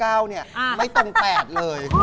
แล้วแม่ต้องเต้น